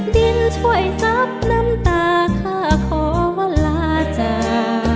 ดินช่วยทรัพย์น้ำตาข้าขอวัลล่าจ้า